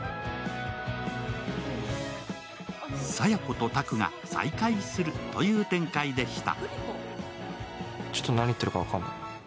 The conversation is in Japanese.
佐弥子と拓が再会するという展開でした。